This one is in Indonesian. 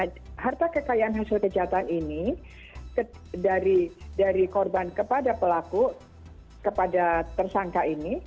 nah harta kekayaan hasil kejahatan ini dari korban kepada pelaku kepada tersangka ini